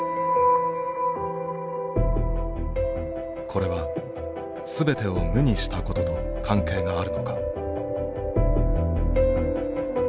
これは全てを無にしたことと関係があるのか。